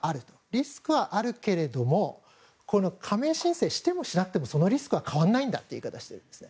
リスクはあるけれど加盟申請してもしなくてもそのリスクは変わらないんだという言い方をしています。